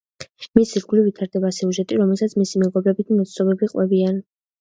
მის ირგვლივ ვითარდება სიუჟეტი, რომელსაც მისი მეგობრები თუ ნაცნობები ყვებიან.